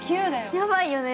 やばいよね。